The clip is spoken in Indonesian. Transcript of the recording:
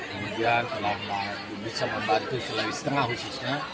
kemudian kalau bisa membantu selain setengah khususnya